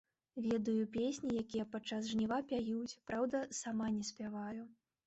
Ведаю песні, якія падчас жніва пяюць, праўда, сама не спяваю.